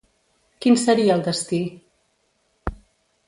Quin seria el destí?